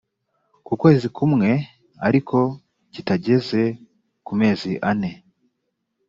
ku kwezi kumwe ariko kitageze ku mezi ane